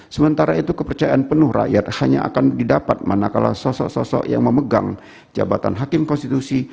sementara itu kepercayaan penuh rakyat hanya akan didapat manakala sosok sosok yang memegang jabatan hakim konstitusi